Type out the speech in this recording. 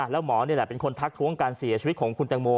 แล้วหมอนี่แหละเป็นคนทักท้วงการเสียชีวิตของคุณแตงโม